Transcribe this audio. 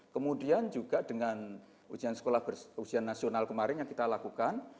kemudian juga dengan ujian sekolah ujian nasional kemarin yang kita lakukan